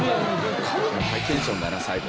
ハイテンションだな最後は。